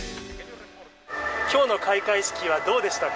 きょうの開会式はどうでしたか？